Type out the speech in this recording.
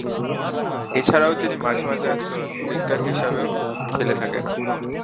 এছাড়াও তিনি মাঝে মাঝে একজন উইঙ্গার হিসেবেও খেলে থাকেন।